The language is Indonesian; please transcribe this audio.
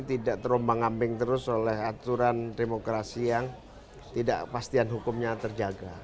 tidak terombang ambing terus oleh aturan demokrasi yang tidak pastian hukumnya terjaga